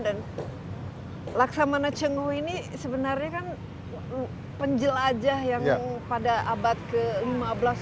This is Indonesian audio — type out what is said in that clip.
dan laksamana cenggung ini sebenarnya kan penjelajah yang pada abad ke lima belas itu menjelajahi seluruh dunia